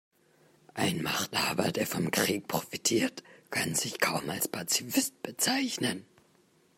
Ein Machthaber, der vom Krieg profitiert, kann sich kaum als Pazifist bezeichnen.